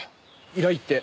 依頼って？